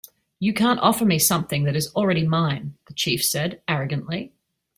"You can't offer me something that is already mine," the chief said, arrogantly.